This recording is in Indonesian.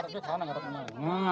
bukan ngadepnya salah ngadepnya